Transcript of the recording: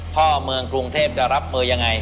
พ่อเมืองกรุงเทพจะรับมือยังไง